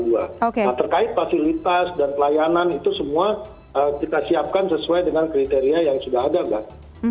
nah terkait fasilitas dan pelayanan itu semua kita siapkan sesuai dengan kriteria yang sudah ada mbak